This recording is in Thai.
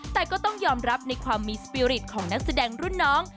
แต่ก็ต้องยอมรับในความมีสปีริตของนักแสดงรุ่นน้อง